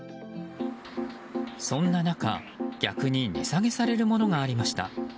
そんな中、逆に値下げされるものがありました。